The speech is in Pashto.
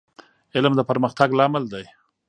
علم د پرمختګ لامل دی.